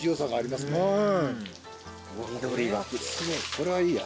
これはいいや。